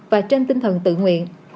và trên tinh thần tự nguyện